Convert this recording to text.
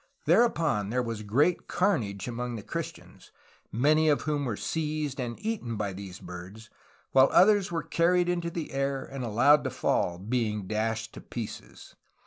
Thereupon there was great carnage among the Christians, many of whom were seized and eaten by these birds, while others were carried into the air and allowed to fall, being dashed to pieces.